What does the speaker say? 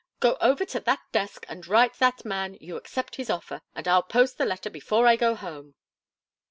Go over to that desk, and write that man you accept his offer, and I'll post the letter before I go home."